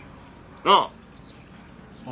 なあ？